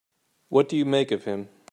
What do you make of him?